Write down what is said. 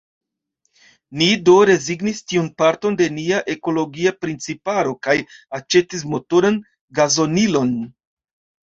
Ni do rezignis tiun parton de nia ekologia principaro kaj aĉetis motoran gazonilon.